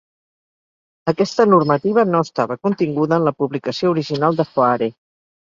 Aquesta normativa no estava continguda en la publicació original de Hoare.